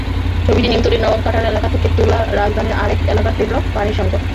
ছবিটি নিমতলীর নবাব কাটারা এলাকা থেকে তোলারাজধানীর অনেক এলাকায় তীব্র পানির সংকট।